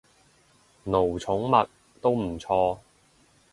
奴寵物，都唔錯